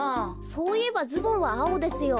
そういえばズボンはあおですよ。